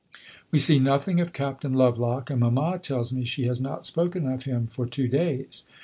We see nothing of Captain Lovelock, and mamma tells me she has not spoken of him for two days.